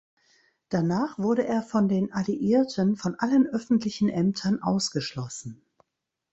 Danach wurde er von den Alliierten von allen öffentlichen Ämtern ausgeschlossen.